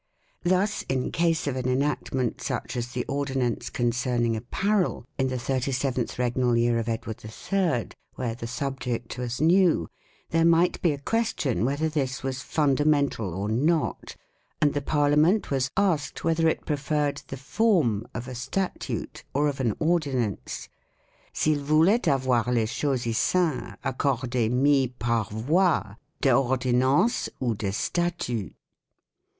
Thus, in case of an enactment such as the ordinance concern ing apparel in 37 Edward III, where the subject was new, there might be a question whether this was fundamental or not, and the Parliament was asked whether it preferred the form of a statute or of an or dinance " s'ils voleient avoir les choses issint acordez mys par voie de Ordinance ou de Statuyt".